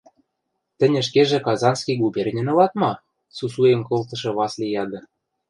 – Тӹнь ӹшкежӹ Казанский губерньӹн ылат ма? – сусуэм колтышы Васли яды.